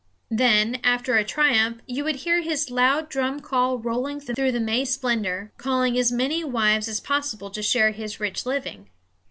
Then, after a triumph, you would hear his loud drum call rolling through the May splendor, calling as many wives as possible to share his rich living.